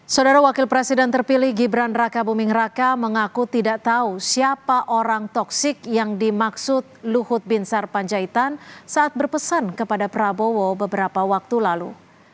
saudara wakil presiden terpilih gibran raka buming raka mengaku tidak tahu siapa orang toksik yang dimaksud luhut bin sarpanjaitan saat berpesan kepada prabowo beberapa waktu lalu